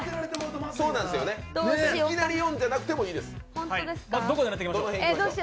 いきなり４じゃなくてもいいです。